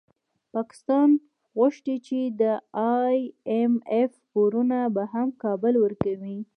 پاکستان غوښتي چي د ای اېم اېف پورونه به هم کابل ورکوي